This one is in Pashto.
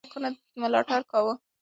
هغه د پښتو ليکنو ملاتړ کاوه.